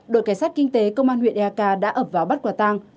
đội cảnh sát kinh tế công an huyện erka đã ập vào bắt quả tăng